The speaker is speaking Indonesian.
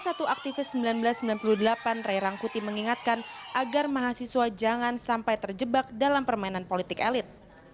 salah satu aktivis seribu sembilan ratus sembilan puluh delapan ray rangkuti mengingatkan agar mahasiswa jangan sampai terjebak dalam permainan politik elit